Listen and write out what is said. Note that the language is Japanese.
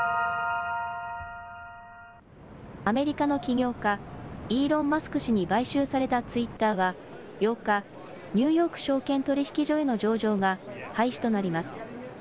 アメリカの起業家、イーロン・マスク氏に買収されたツイッターは、８日、ニューヨーク証券取引所への上場が廃止となります。